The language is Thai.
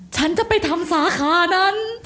ฉันจะไปทำสาขานั้น